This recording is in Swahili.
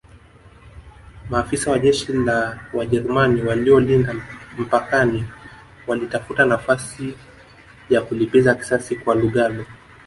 Maafisa wa jeshi la Wajerumani waliolinda mpakani walitafuta nafasi ya kulipiza kisasi kwa Lugalo